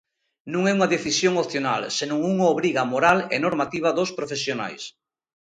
Non é unha decisión opcional senón unha obriga moral e normativa dos profesionais.